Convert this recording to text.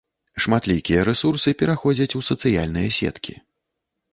Шматлікія рэсурсы пераходзяць у сацыяльныя сеткі.